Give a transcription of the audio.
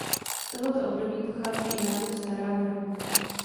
Z tohoto období pochází i název Stará Hora.